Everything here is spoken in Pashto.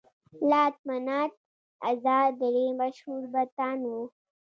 لات، منات، عزا درې مشهور بتان وو.